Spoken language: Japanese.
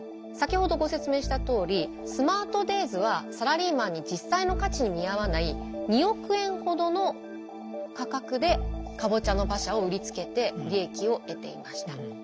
先ほどご説明したとおりスマートデイズはサラリーマンに実際の価値に見合わない２億円ほどの価格で「かぼちゃの馬車」を売りつけて利益を得ていました。